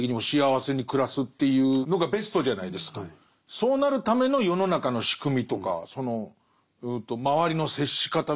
そうなるための世の中の仕組みとかその周りの接し方みたいのを。